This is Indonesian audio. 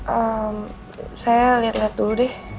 ehm saya liat liat dulu deh